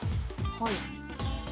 はい。